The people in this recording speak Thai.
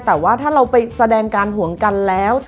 แต่ว่าถ้าเราไปแสดงการห่วงกันแล้ว